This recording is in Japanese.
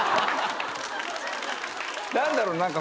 何だろう。